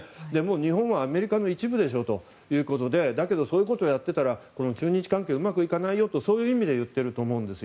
日本はアメリカの一部でしょうということでだけどそういうことをやっていたら中日関係がうまくいかないよという意味で言っているんだと思うんです。